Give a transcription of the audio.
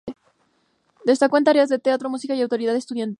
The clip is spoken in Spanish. Destacó en tareas de teatro, música y autoridad estudiantil.